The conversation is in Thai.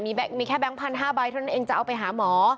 มีแค่แก๊งพัน๕ใบเท่านั้นเองจะเอาไปหาหมอ